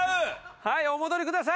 はいお戻りください。